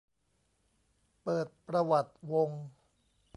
เปิดประวัติวง